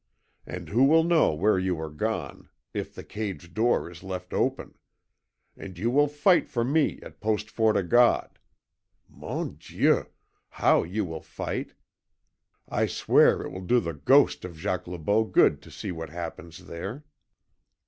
And who will know where you are gone, if the cage door is left open? And you will fight for me at Post Fort 0' God. MON DIEU! how you will fight! I swear it will do the ghost of Jacques Le Beau good to see what happens there."